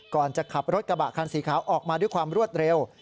ก่อนจะขับรถกระบะคันสีขาวออกมาด้วยความรวดเร็ว